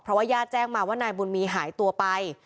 เพราะว่าญาติแจ้งมาว่านายบุญมีหายตัวไป